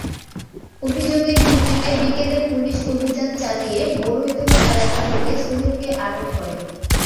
অভিযোগের ভিত্তিতে বিকেলে পুলিশ অভিযান চালিয়ে বড়ইতলী এলাকা থেকে সোহেলকে আটক করে।